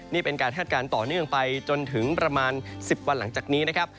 นี่เป็นการคาดการณ์ต่อเนื่องไปจนถึงประมาณ๑๐วันหลังจากนี้นะครับ